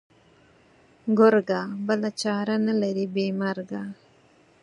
گرگه! بله چاره نه لري بې مرگه.